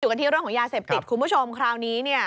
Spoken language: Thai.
กันที่เรื่องของยาเสพติดคุณผู้ชมคราวนี้เนี่ย